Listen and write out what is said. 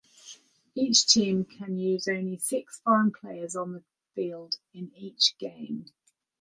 Each team can use only six foreign players on the field in each game.